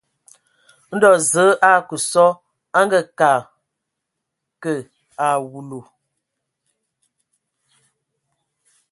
Ndo Zəə a akə sɔ a a ngakǝ a awulu.